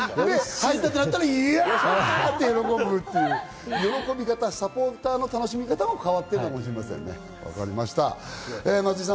入ったらイエイと喜ぶという、喜び方、サポーターの楽しみ方も変わってくるかもしれません。